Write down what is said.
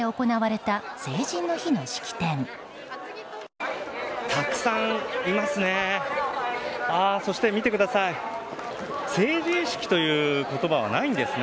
たくさんいますね。